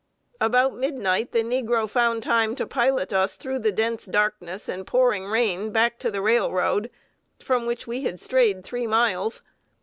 About midnight the negro found time to pilot us through the dense darkness and pouring rain, back to the railroad, from which we had strayed three miles.